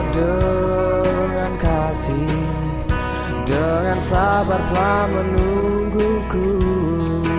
dengan sabar telah menungguku